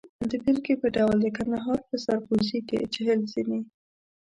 د بېلګې په ډول د کندهار په سرپوزي کې چهل زینې.